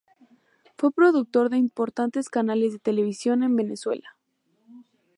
Fue productor de importantes canales de televisión en Venezuela.